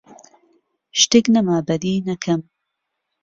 شتێک نەما بەدیی نەکەم: